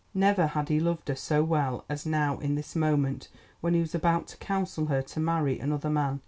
Never had he loved her so well as now in this moment when he was about to counsel her to marry another man.